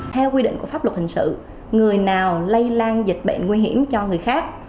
theo quy định của pháp luật hình sự người nào lây lan dịch bệnh nguy hiểm cho người khác